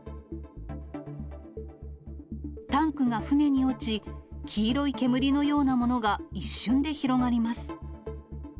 タンクが船に落ち、黄色い煙のようなものが、一瞬で広がります。